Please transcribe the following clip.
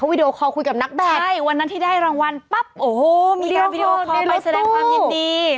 วันนั้นที่ได้รางวัลมีการวิดีโอคอลไปแสดงความยินดี